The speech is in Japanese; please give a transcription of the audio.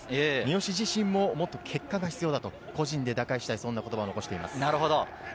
三好自身も、もっと結果が必要だと個人で打開したいという話もしています。